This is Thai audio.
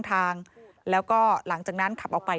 ที่อ๊อฟวัย๒๓ปี